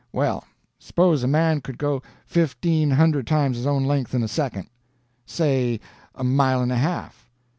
Well, suppose a man could go fifteen hundred times his own length in a second—say, a mile and a half.